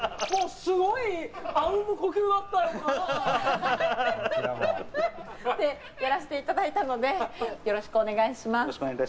すごいあうんの呼吸だったよなってやらせていただいたのでよろしくお願いいたします。